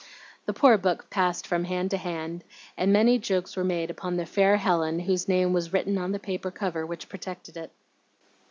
The poor book passed from hand to hand, and many jokes were made upon the 'fair Helen' whose name was written on the paper cover which projected it.